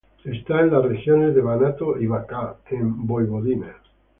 Está en las regiones de Banato y Bačka, en Voivodina.